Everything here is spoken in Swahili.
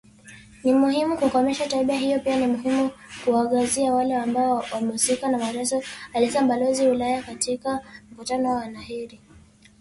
" Ni muhimu kukomesha tabia hiyo pia ni muhimu kuwaangazia wale ambao wamehusika na mateso" alisema Balozi wa ulaya katika mkutano na wanahabari